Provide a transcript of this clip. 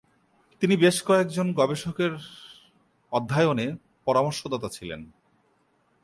তিনি বেশ কয়েক জন গবেষকের অধ্যয়নে পরামর্শদাতা ছিলেন।